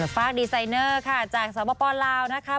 ฝากดีไซเนอร์ค่ะจากสปลาวนะคะ